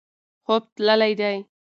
خوب تللی دی.